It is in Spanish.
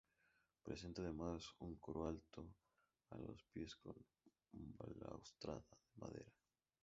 Presenta además un coro alto a los pies con balaustrada de madera.